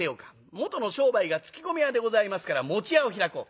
元の商売が搗米屋でございますから屋を開こう。